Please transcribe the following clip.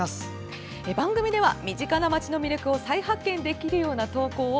番組では身近な街の魅力を再発見できるような投稿を「